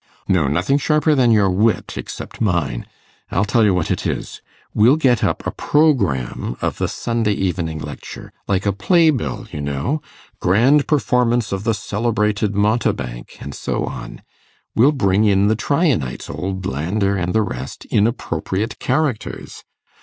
'No, nothing sharper than your wit except mine. I'll tell you what it is. We'll get up a programme of the Sunday evening lecture, like a play bill, you know "Grand Performance of the celebrated Mountebank," and so on. We'll bring in the Tryanites old Landor and the rest in appropriate characters.